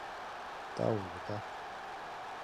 — Тау, Эвика!